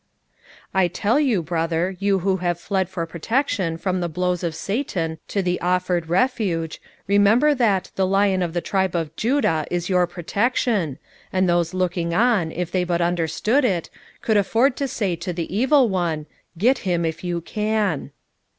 "I tell you, brother, you who have fled for 368 POUR MOTHERS AT CHAUTAUQUA protection from the blows of Satan to the of fered Refuge, remember that the 'Lion of the tribe of Judah' is your protection; and those looking on if they but understood it, could af ford to say to the evil one; 'Get him if you can!'"